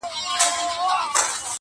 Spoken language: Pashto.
مرګه ونیسه لمنه چي در لوېږم-